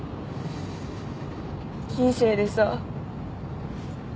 人生でさ